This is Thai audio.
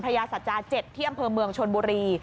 พระยาศจา๗ที่อำเภอเมืองชลบุรี